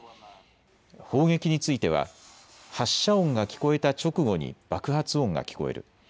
砲撃については発射音が聞こえた直後に爆発音が聞こえる。